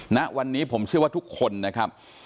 ณวันนี้ผมเชื่อว่าทุกคนนะครับ